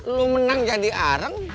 lo menang jadi areng